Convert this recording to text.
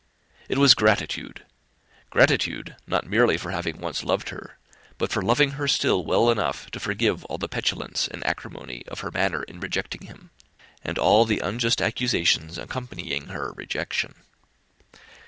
It was gratitude; gratitude, not merely for having once loved her, but for loving her still well enough to forgive all the petulance and acrimony of her manner in rejecting him, and all the unjust accusations accompanying her rejection.